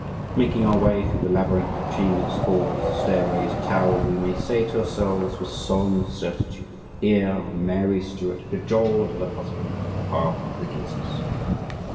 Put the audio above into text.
Making our way through the labyrinth of chambers, halls, stairways, towers, we may say to ourselves with solemn certitude: "Here Mary Stuart cajoled her husband on behalf of the Guises."